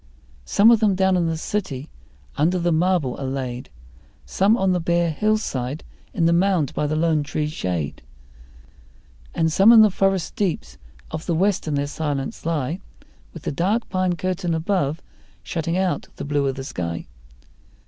Some of them down in the city under the marble are laid, Some on the bare hillside in the mound by the lone tree shade, And some in the forest deeps of the west in their silence lie, With the dark pine curtain above shutting out the blue of the sky.